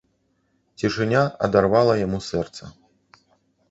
Цішыня адарвала яму сэрца.